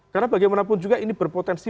karena bagaimanapun juga ini berpotensi